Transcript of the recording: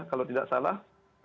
kalau tidak salah